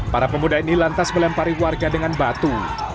para pemuda ini lantas melempari warga dengan batu